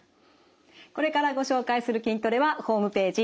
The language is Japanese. これからご紹介する筋トレはホームページ